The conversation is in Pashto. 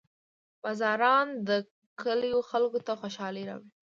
• باران د کلیو خلکو ته خوشحالي راوړي.